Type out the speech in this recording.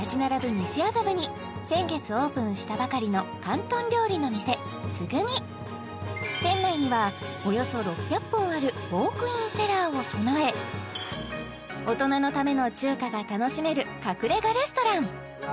西麻布に先月オープンしたばかりの広東料理の店鶫−Ｔｓｕｇｕｍｉ−店内にはおよそ６００本あるウォークインセラーを備え大人のための中華が楽しめる隠れがレストラン